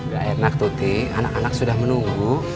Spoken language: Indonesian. gak enak tuti anak anak sudah menunggu